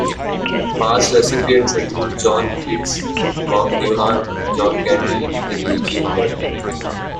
Past recipients include John Cleese, Bob Newhart, John Candy and Eugene Levy.